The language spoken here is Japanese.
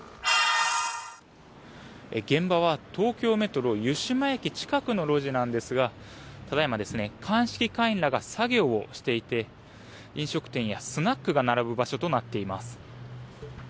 現場は東京メトロ湯島駅近くの路地なんですがただ今、鑑識員らが作業をしていて飲食店やスナックが並ぶ場所となっています。